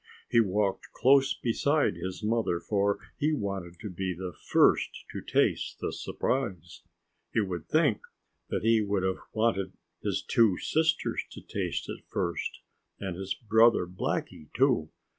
He walked close beside his mother, for he wanted to be the first to taste the surprise. You would think that he would have wanted his two sisters to taste it first, and his brother Blackie, too.